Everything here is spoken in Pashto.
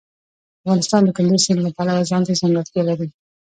افغانستان د کندز سیند له پلوه ځانته ځانګړتیا لري.